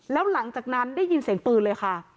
แล้วหลังจากนั้นได้ยินเสียงปืนเลยค่ะ